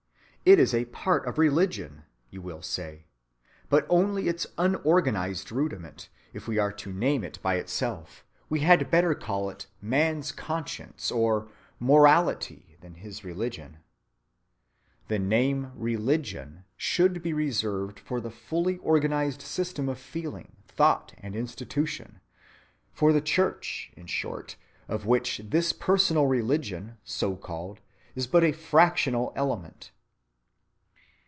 "It is a part of religion," you will say, "but only its unorganized rudiment; if we are to name it by itself, we had better call it man's conscience or morality than his religion. The name 'religion' should be reserved for the fully organized system of feeling, thought, and institution, for the Church, in short, of which this personal religion, so called, is but a fractional element."